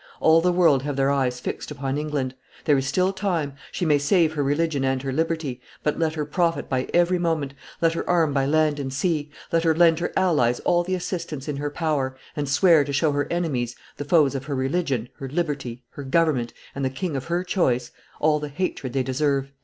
All the world have their eyes fixed upon England; there is still time, she may save her religion and her liberty, but let her profit by every moment, let her arm by land and sea, let her lend her allies all the assistance in her power, and swear to show her enemies, the foes of her religion, her liberty, her government, and the king of her choice, all the hatred they deserve."